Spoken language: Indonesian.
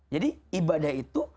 jadi ibadah itu